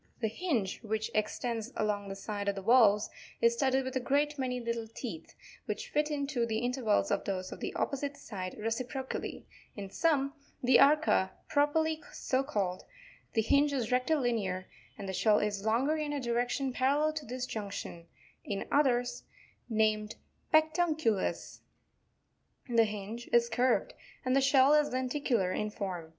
The hinge which extends along the side of the valves is studded with a great many little teeth, which fit into the intervals of those of : the opposite side recipro cally; in some, the ARCA PROPERLY SO CALLED ( A: 97), the hinge is rectilinear, and the shell is longer in a direction parallel to this junction; in others, named Pectuncutus (fig. 98), the hinge is curved, and the shell is lenticu lar in form.